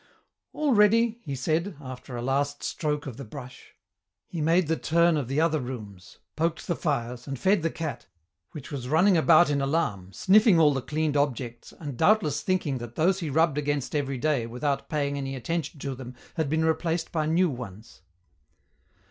"All ready," he said, after a last stroke of the brush. He made the turn of the other rooms, poked the fires, and fed the cat, which was running about in alarm, sniffing all the cleaned objects and doubtless thinking that those he rubbed against every day without paying any attention to them had been replaced by new ones.